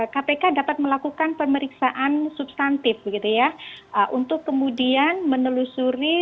kpk dapat melakukan pemeriksaan substantif untuk kemudian menelusuri